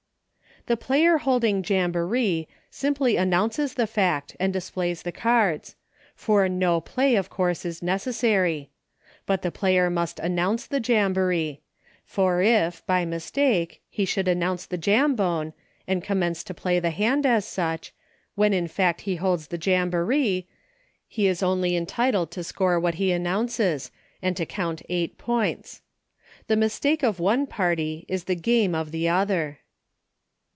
The player holding Jamboree simply an nounces the fact, and displays the cards ; for no play, of course, is necessary. But the player must announce the Jamboree ; for if, by mistake, he should announce the Jambone, and commence to play the hand as such, when in LAP, SLAM, AND JAMBONE. 75 fact he holds the Jamboree, he is only entitled to score what he announces, and to count eight points. The mistake of one party is the game of the other.